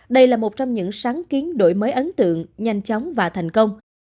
đây là một trong những sáng kiến đổi mới ấn tượng nhanh chóng và thành công